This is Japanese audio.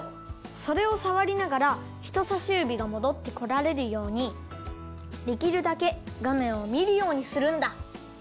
それをさわりながらひとさしゆびがもどってこられるようにできるだけがめんをみるようにするんだ。